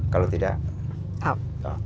kalau tidak up